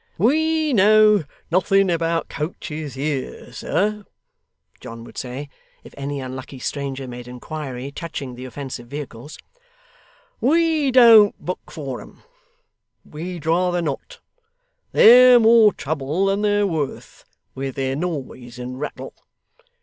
'We know nothing about coaches here, sir,' John would say, if any unlucky stranger made inquiry touching the offensive vehicles; 'we don't book for 'em; we'd rather not; they're more trouble than they're worth, with their noise and rattle.